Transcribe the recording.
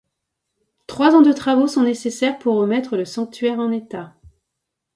Trois ans de travaux sont nécessaires pour remettre le sanctuaire en état.